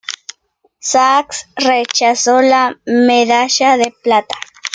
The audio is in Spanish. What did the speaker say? Sax rechaza la medalla de plata.